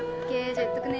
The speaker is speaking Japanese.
じゃあ言っとくね。